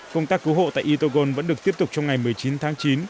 công tác cứu hộ tại itogon vẫn được tiếp tục trong ngày một mươi chín tháng chín